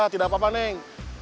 tidak apa apa neng